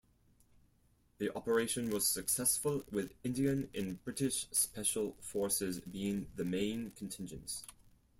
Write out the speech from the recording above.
The Operation was successful with Indian and British Special Forces being the main contingents.